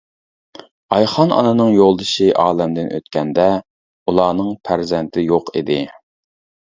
ئايخان ئانىنىڭ يولدىشى ئالەمدىن ئۆتكەندە ئۇلارنىڭ پەرزەنتى يوق ئىدى.